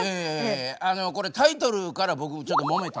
これタイトルから僕ちょっともめたんです。